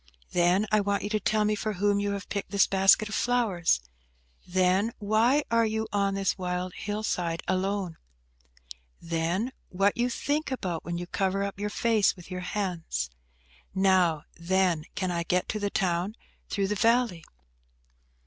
Then, I want you to tell me for whom you have picked this basket of flowers? Then, why you are on this wild hill side alone? Then, what you think about when you cover up your face with your hands? Now, then, can I get to the town through the valley?"